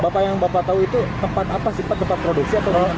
bapak yang bapak tahu itu tempat apa sih pak tempat produksi atau